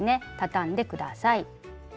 たたんで下さい。